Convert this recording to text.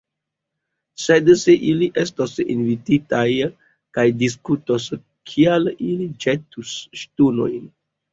Sed, se ili estos invititaj kaj diskutos, kial ili ĵetus ŝtonojn?